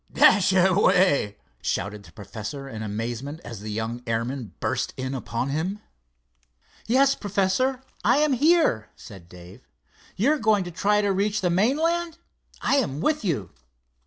"Dashaway!" shouted the professor in amazement, as the young airman burst in upon him. "Yes, Professor, I am here," said Dave. "You are going to make a try to reach the mainland? I am with you."